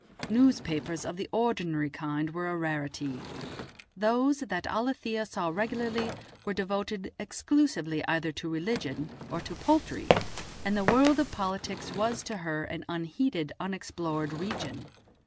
Newspapers of the ordinary kind were a rarity; those that Alethia saw regularly were devoted exclusively either to religion or to poultry, and the world of politics was to her an unheeded unexplored region.